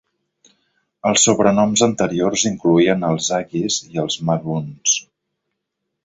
Els sobrenoms anteriors incloïen els Aggies i els Maroons.